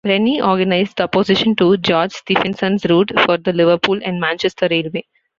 Rennie organised the opposition to George Stephenson's route for the Liverpool and Manchester Railway.